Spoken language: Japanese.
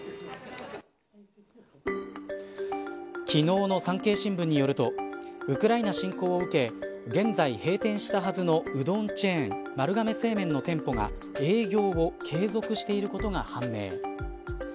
昨日の産経新聞によるとウクライナ侵攻を受け現在、閉店したはずのうどんチェーン丸亀製麺の店舗が営業を継続していることが判明。